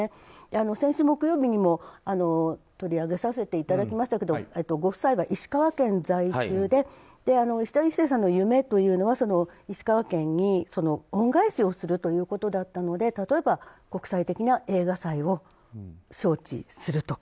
先週木曜日にも取り上げさせていただきましたがご夫妻が石川県在住でいしだ壱成さんの夢というのは石川県に恩返しをするということだったので例えば国際的な映画祭を招致するとか。